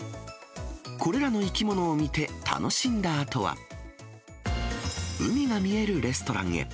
これらの生き物を見て楽しんだあとは、海が見えるレストランへ。